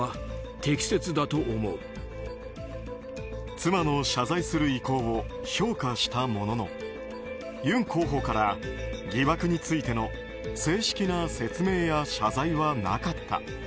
妻の謝罪する意向を評価したもののユン候補から疑惑についての正式な説明や謝罪はなかった。